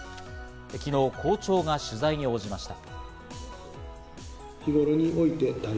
昨日、校長が取材に応じました。